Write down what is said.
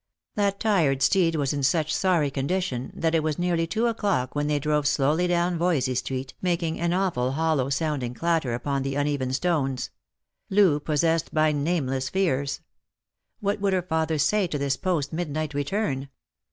That tired steed was in such sorry condition, that it was nearly two o'clock when they drove slowly down Voysey street, making an awful hollow sounding clatter upon the uneven stones ; Loo possessed by nameless fears. What would her father say to this post midnight return